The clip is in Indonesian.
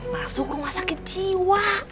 masuk rumah sakit jiwa